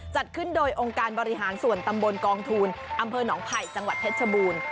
จัดขึ้นโดยองค์การบริหารส่วนตำบลกองทูลอำเภอหนองไผ่จังหวัดเพชรชบูรณ์